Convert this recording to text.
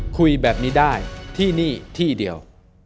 คุยแบบนี้ได้ที่นี่ที่เดียว